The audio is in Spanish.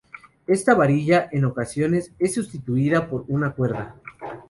Esta varilla, en ocasiones, es sustituida por una cuerda.